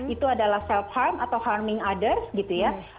itu adalah self harm atau harming others gitu ya